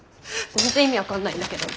全然意味分かんないんだけど。